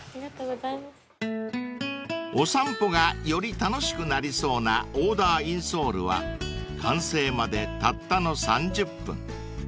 ［お散歩がより楽しくなりそうなオーダーインソールは完成までたったの３０分］